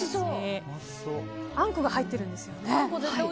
あんこが入っているんですよね。